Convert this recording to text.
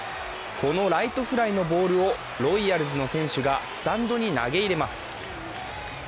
このライトフライのボールをロイヤルズの選手がスタンドに投げ入れます。